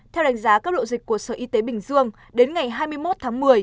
theo đánh giá các lộ dịch của sở y tế bình dương đến ngày hai mươi một tháng một mươi